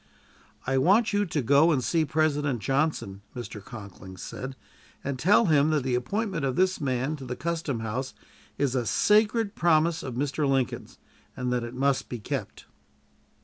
"I want you to go and see President Johnson," Mr. Conkling said, "and tell him that the appointment of this man to the custom house is a sacred promise of Mr. Lincoln's, and that it must be kept."